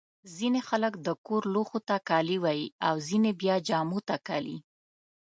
ځيني خلک د کور لوښو ته کالي وايي. او ځيني بیا جامو ته کالي.